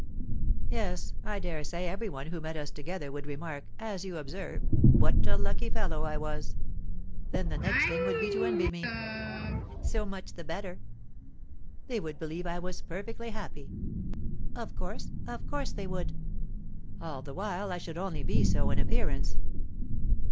"Yes, I dare say every one who met us out together would remark, as you observe, what a lucky fellow I was; then the next thing would be to envy me." "So much the better." "They would believe I was perfectly happy." "Of course, of course they would." "All the while I should only be so in appearance."